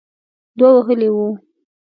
دوه وهلې وه.